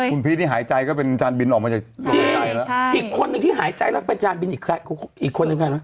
คุณพีชนี่หายใจก็เป็นจานบินออกมาจากหายใจแล้วจริงอีกคนนึงที่หายใจแล้วเป็นจานบินอีกคนหนึ่งไง